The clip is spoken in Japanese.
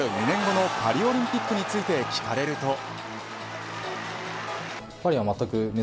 ２年後のパリオリンピックについて聞かれると。